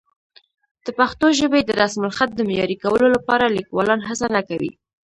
د پښتو ژبې د رسمالخط د معیاري کولو لپاره لیکوالان هڅه نه کوي.